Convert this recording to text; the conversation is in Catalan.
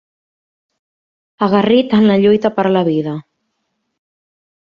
Aguerrit en la lluita per la vida.